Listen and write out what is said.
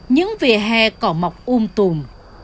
những vỉa hè cỏ mọc um tùm